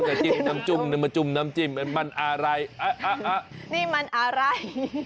จะจิ้มน้ำจุ้มมาจุ้มน้ำจิ้มมันอะไรนี่มันอะไร